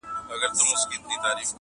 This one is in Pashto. • کرشمه ده زما د حسن چي جوړېږي محلونه -